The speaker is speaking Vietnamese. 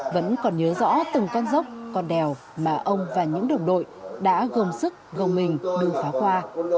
vẫn còn nhớ rõ từng con dốc con đèo mà ông và những đồng đội đã gồm sức gồm mình đường pháo qua